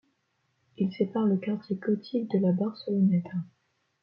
Il sépare le quartier gothique de La Barceloneta.